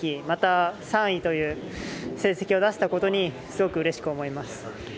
また、３位という成績を出せたことにすごくうれしく思います。